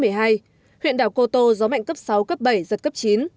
huyện đảo cô tô gió mạnh cấp sáu cấp bảy giật cấp chín